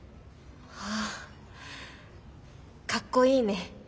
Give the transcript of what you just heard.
あかっこいいね。